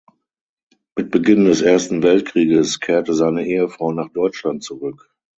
Mit Beginn des Ersten Weltkrieges kehrte seine Ehefrau nach Deutschland zurück.